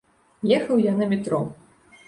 Ехаў я на метро.